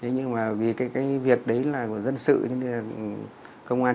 nhưng vì việc đấy là của dân sự công an trương mỹ cũng đã hướng dẫn cho ngọc anh